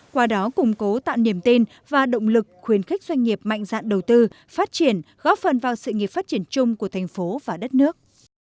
qua đó củng cố tạo niềm tin và động lực khuyến khích doanh nghiệp mạnh dạn đầu tư phát triển góp phần vào sự nghiệp phát triển chung của thành phố và đất nước